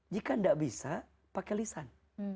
jika tidak bisa pakai lisan